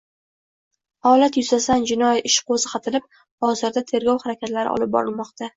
Holat yuzasidan jinoyat ishi qo‘zg‘atilib, hozirda tergov harakatlari olib borilmoqda